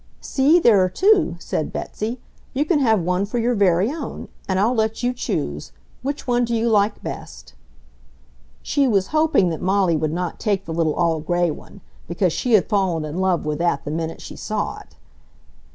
"See, there are two," said Betsy. "You can have one for your very own. And I'll let you choose. Which one do you like best?" She was hoping that Molly would not take the little all gray one, because she had fallen in love with that the minute she saw it.